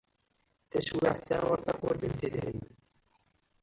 Taswiɛt-a, ur teḥwajemt idrimen.